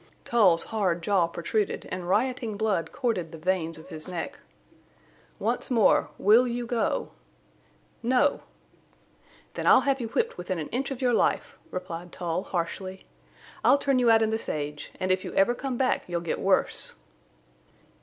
Tull's hard jaw protruded, and rioting blood corded the veins of his neck. "Once more. Will you go?" "No!" "Then I'll have you whipped within an inch of your life," replied Tull, harshly. "I'll turn you out in the sage. And if you ever come back you'll get worse."